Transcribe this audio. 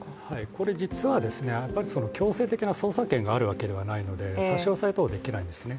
これ実は強制的な捜査権があるわけではないので差し押さえ等できないんですね。